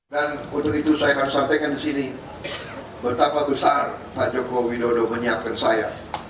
dan untuk itu saya harus sampaikan di sini betapa besar pak jokowi dodo menyiapkan saya